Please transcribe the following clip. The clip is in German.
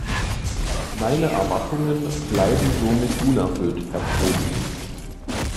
Meine Erwartungen bleiben somit unerfüllt, Herr Prodi.